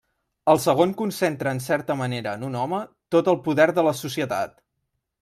El segon concentra en certa manera en un home tot el poder de la societat.